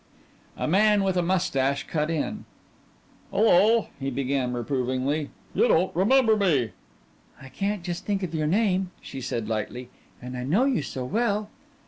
A man with a mustache cut in. "Hello," he began reprovingly. "You don't remember me." "I can't just think of your name," she said lightly "and I know you so well."